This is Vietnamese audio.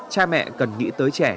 cha mẹ cần nghĩ tới trẻ